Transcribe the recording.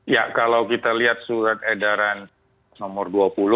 ya kalau kita lihat surat edaran nomor dua puluh